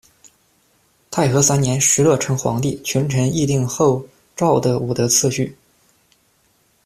太和三年，石勒称皇帝，群臣议定后赵的五德次序。